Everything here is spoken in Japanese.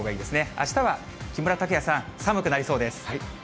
あしたは木村拓哉さん、寒くなりそうです。